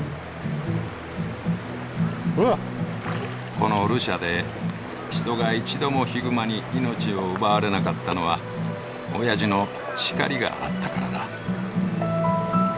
このルシャで人が一度もヒグマに命を奪われなかったのはおやじの叱りがあったからだ。